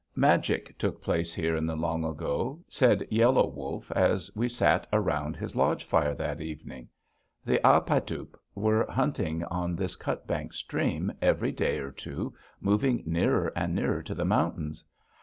Magic took place here in the long ago," said Yellow Wolf as we sat around his lodge fire this evening. "The Ah´ pai tup i were hunting on this Cutbank stream, every day or two moving nearer and nearer to the mountains.